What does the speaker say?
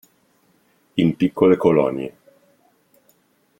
In piccole colonie.